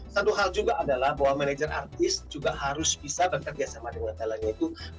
satu hal juga adalah bahwa manajer artis juga harus bisa bekerja sama dengan talentnya itu